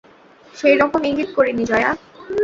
সেইরকম ইঙ্গিত করিনি জয়া।